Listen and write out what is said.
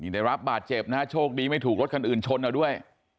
ได้รับบาดเจ็บนะฮะโชคดีไม่ถูกรถคันอื่นชนเอาด้วย